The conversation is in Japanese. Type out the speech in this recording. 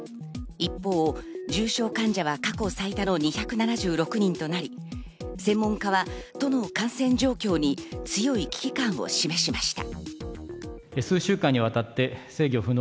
一方、重症患者は過去最多の２７６人となり、専門家は都の感染状況に強い危機感を示しました。